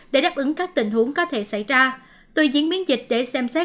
để đáp ứng các tình huống có thể xảy ra tuy diễn biến dịch để xem xét